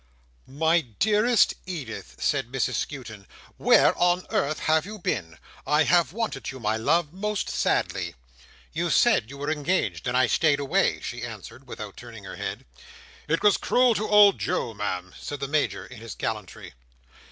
"My dearest Edith," said Mrs Skewton, "where on earth have you been? I have wanted you, my love, most sadly." "You said you were engaged, and I stayed away," she answered, without turning her head. "It was cruel to Old Joe, Ma'am," said the Major in his gallantry.